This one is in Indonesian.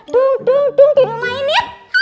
dung dung dung di rumah ini